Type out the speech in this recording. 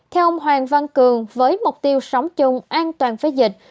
theo ông hoàng văn cường với mục tiêu sống chung an toàn với dịch